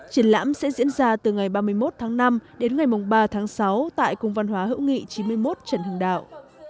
triển lãm sẽ diễn ra từ ngày ba mươi một tháng năm đến ngày ba tháng sáu tại cung văn hóa hữu nghị chín mươi một trần hưng đạo